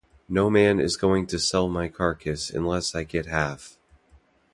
No man is going to sell my carcass unless I get half.